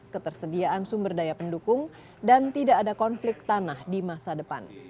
ketersediaan sumber daya pendukung dan tidak ada konflik tanah di masa depan